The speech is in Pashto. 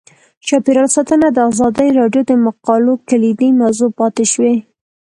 چاپیریال ساتنه د ازادي راډیو د مقالو کلیدي موضوع پاتې شوی.